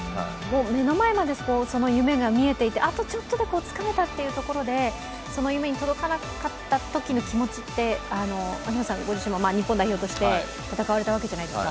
目の前までその夢が見えていてあとちょっとでつかめたっていうところでその夢に届かなかったときの気持ちってご自身も日本代表として戦われたわけじゃないですか